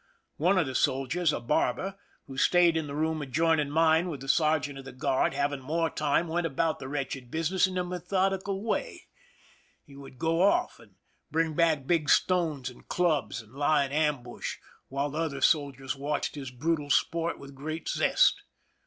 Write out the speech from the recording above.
One of the soldiers, a barber, who stayed in the room adjoining mine with the sergeant of the guard, having more time, went about the wretched business in a methodical way. 247 THE SINKING OF THE "MERElMAC" He would go off and bring back big stones and clubs, and lie in ambush, while the other soldiers watched his brutal sport with great zest.